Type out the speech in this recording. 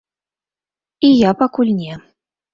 І я пакуль не.